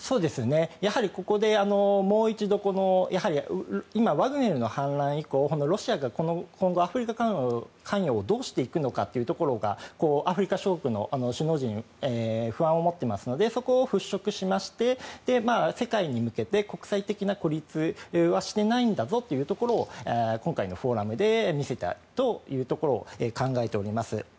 やはりここで、もう一度今、ワグネルの反乱以降ロシアが今後アフリカからの関与をどうしていくのかというところがアフリカ諸国の首脳陣不安を持っていますのでそこを払しょくしまして世界に向けて国際的な孤立はしていないんだぞというところを今回のフォーラムで見せたいというところを考えております。